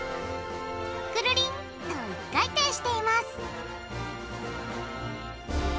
くるりんと１回転しています